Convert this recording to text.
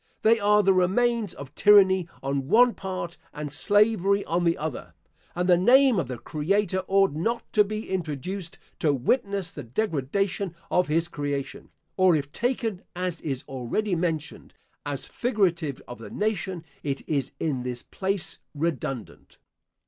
They are the remains of tyranny on one part and slavery on the other; and the name of the Creator ought not to be introduced to witness the degradation of his creation; or if taken, as is already mentioned, as figurative of the nation, it is in this place redundant.